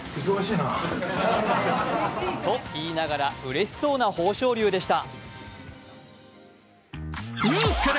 と、いいながらうれしそうな豊昇龍でした。